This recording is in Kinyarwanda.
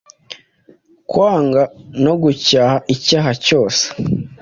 Kwanga no gucyaha icyaha cyose